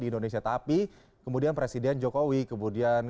di indonesia tapi kemudian presiden jokowi kemudian